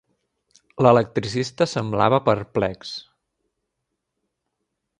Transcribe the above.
L'electricista semblava perplex.